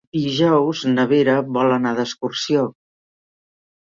Dijous na Vera vol anar d'excursió.